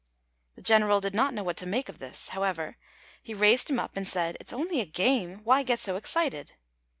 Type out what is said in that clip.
The general did not know what to make of this; however, he raised him up, and said, "It's only a game: why get so excited?"